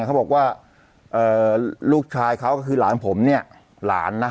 เขาบอกว่าลูกชายเขาก็คือหลานผมเนี่ยหลานนะ